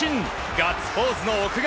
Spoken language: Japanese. ガッツポーズの奥川。